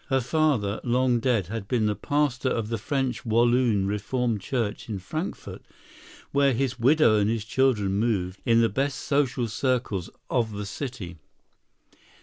Her father, long dead, had been the pastor of the French Walloon Reformed Church in Frankfort, where his widow and children moved in the best social circles of the city.